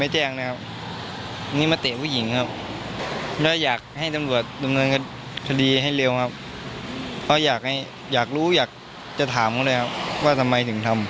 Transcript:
จะถามเขาเลยครับว่าทำไมถึงทำ